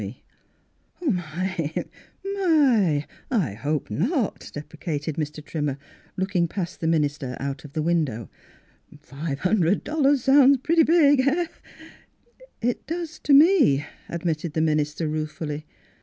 " Oh, m}^ my ! I hope not," deprecated Mr. Trimmer, looking past the minister out of the window. " Five hundred dol lars sounds pretty big — eh? "" It does to me," admitted the minister ruefully.